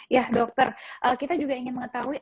ya dokter kita juga ingin mengetahui